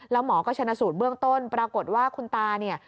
แล้วหมอก็ชนะสูตรเบื้องต้นปรากฏว่าคุณตาเนี่ย